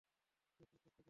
কিচ্ছু স্পর্শ করো না।